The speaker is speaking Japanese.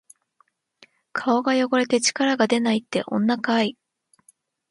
顔が汚れて力がでないって、女かい！